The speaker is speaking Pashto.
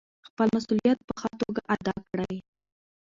خپل مسوولیت په ښه توګه ادا کړئ.